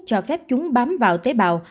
cho phép chúng bám vào tế bào